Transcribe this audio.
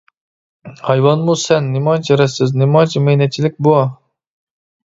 ھايۋانمۇ سەن، نېمانچە رەتسىز، نېمانچە مەينەتچىلىك بۇ؟ !